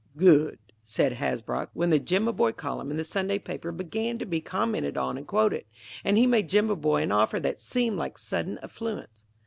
"Good!" said Hasbrouck, when the "Jimaboy Column" in the Sunday paper began to be commented on and quoted; and he made Jimaboy an offer that seemed like sudden affluence.